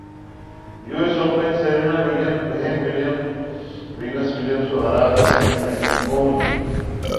US open Serena Williams بہن Venus Williams کو ہرا کر سیمی فائنل میں پہنچ گئی